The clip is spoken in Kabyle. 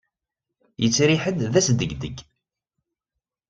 Yettriḥ-d d asdegdeg.